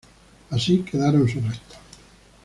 Allí quedaron sus restos.